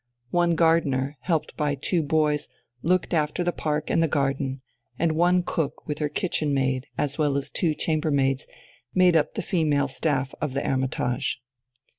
One gardener, helped by two boys, looked after the park and the garden; and one cook with her kitchen maid, as well as two chambermaids, made up the female staff of the "Hermitage."